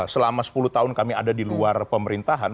selama sepuluh tahun kami ada di luar pemerintahan